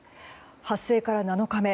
発生から７日目。